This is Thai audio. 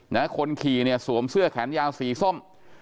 คนขี่เนี่ยสวมเสื้อแขนยาวสีส้ม